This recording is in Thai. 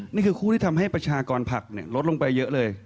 นี่คือคู่ที่ทำให้ประชากรผักลดลงไปเยอะเลย